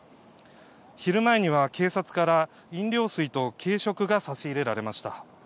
昼前には、警察から飲料水と軽食が差し入れられました。